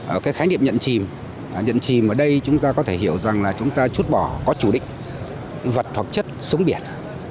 ở cái khái niệm nhận chìm nhận chìm ở đây chúng ta có thể hiểu rằng là chúng ta chút bỏ có chủ đích vật hoặc chất sống biển